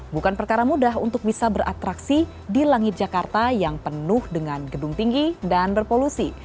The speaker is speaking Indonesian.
bukan perkara mudah untuk bisa beratraksi di langit jakarta yang penuh dengan gedung tinggi dan berpolusi